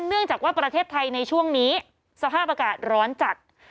เนื่องจากว่าประเทศไทยในช่วงนี้สภาพอากาศร้อนจัด